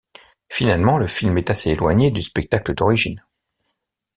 Finalement, le film est assez éloigné du spectacle d'origine.